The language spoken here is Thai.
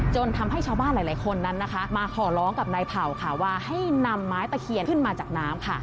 ทำให้ชาวบ้านหลายคนนั้นนะคะมาขอร้องกับนายเผ่าค่ะว่าให้นำไม้ตะเคียนขึ้นมาจากน้ำค่ะ